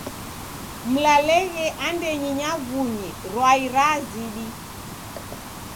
Mlalenghe andenyi nyavunyi rwai razidi.